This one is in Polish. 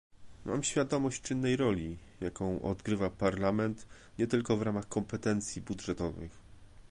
Mam świadomość czynnej roli, jaką odgrywa Parlament, nie tylko w ramach kompetencji budżetowych